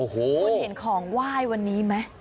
คุณเห็นของไหว้วันนี้ไหม